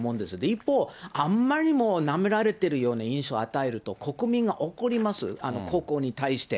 一方、あんまりにもなめられてるような印象を与えると、国民が怒ります、国王に対して。